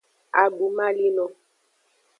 Adumalino.